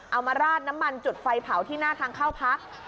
มาราดน้ำมันจุดไฟเผาที่หน้าทางเข้าพัก